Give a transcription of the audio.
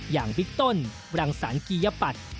อย่างวิกต้นวรังสันกียปัตย์